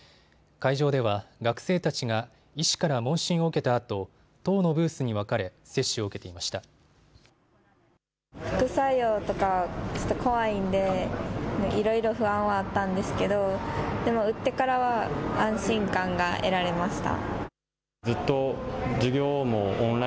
会場では学生たちが医師から問診を受けたあと１０のブースに分かれ接種を受けていました。